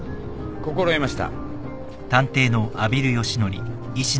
心得ました。